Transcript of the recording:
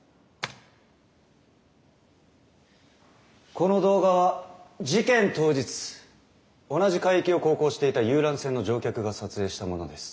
この動画は事件当日同じ海域を航行していた遊覧船の乗客が撮影したものです。